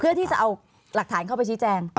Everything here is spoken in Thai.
เพื่อที่จะเอาหลักฐานเข้าไปชี้แจง